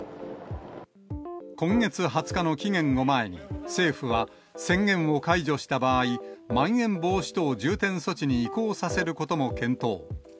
今月２０日の期限を前に、政府は、宣言を解除した場合、まん延防止等重点措置に移行させることも検討。